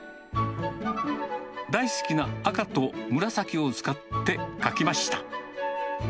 大好きな赤と紫を使って描きました。